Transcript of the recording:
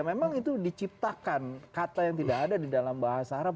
memang itu diciptakan kata yang tidak ada di dalam bahasa arab